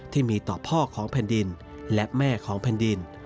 ที่มีต่อพ่อของเพลินดินและแม่ของเพลินดิน